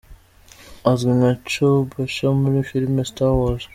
Azwi nka Chewbacca muri filime ‘Star wars’.